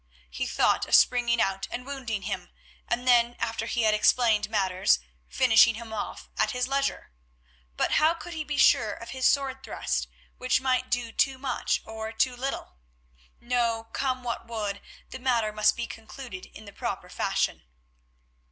He thought of springing out and wounding him, and then, after he had explained matters, finishing him off at his leisure. But how could he be sure of his sword thrust, which might do too much or too little? No, come what would, the matter must be concluded in the proper fashion.